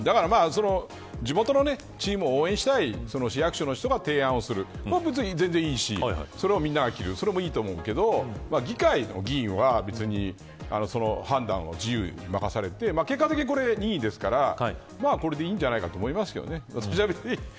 地元のチームを応援したい市役所の人が提案をするこれは全然いいしそれをみんなが着るのもいいと思うけど議会の議員は別に判断は自由に任されて結果的に、これ、任意ですからこれでいいんじゃないかと思いますけどね。